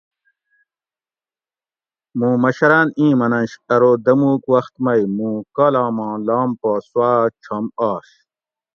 مُوں مشراۤن اِیں مننۡش ارو دموُک وخت مئ مُوں کالام آں لام پا سواۤ چھم آش